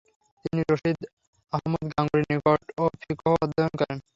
তিনি রশিদ আহমদ গাঙ্গুহির নিকটও ফিকহ অধ্যয়ন করেন।